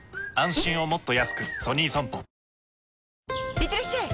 いってらっしゃい！